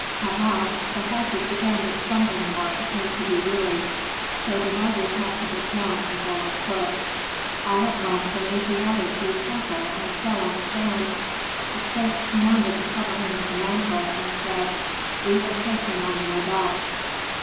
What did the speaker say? At last the horses began to stumble more and to be weary, so the riders had to dismount and go on foot. All at once an Asiatic grew purple, and fell on the sand. The prince commanded to cover him with a mantle, and said, "We will take him on the way back."